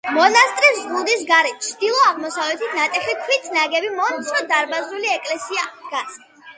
მონასტრის ზღუდის გარეთ, ჩრდილო-აღმოსავლეთით ნატეხი ქვით ნაგები მომცრო დარბაზული ეკლესია დგას.